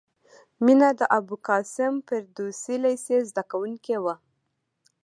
مینه د ابوالقاسم فردوسي لېسې زدکوونکې وه